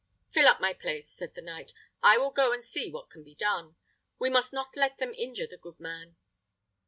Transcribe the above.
"Fill up my place," said the knight; "I will go and see what can be done. We must not let them injure the good man."